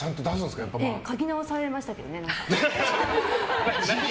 書き直されましたけどね。